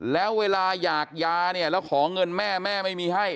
แล้วเวลาอยากยาเนี่ยแล้วขอเงินแม่แม่ไม่มีให้